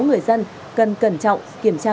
người dân cần cẩn trọng kiểm tra